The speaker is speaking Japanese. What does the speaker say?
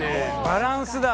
バランスだ。